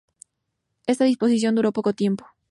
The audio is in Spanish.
Esta disposición duró poco tiempo.